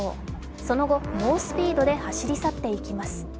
その後、猛スピードで走り去っていきます。